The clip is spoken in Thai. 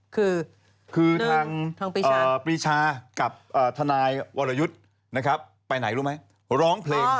คือทางปรีชากับทนายวรยุทธ์นะครับไปไหนรู้ไหมร้องเพลง